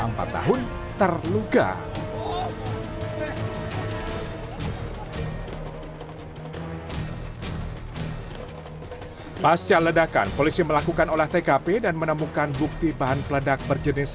empat tahun terluka pasca ledakan polisi melakukan olah tkp dan menemukan bukti bahan peledak berjenis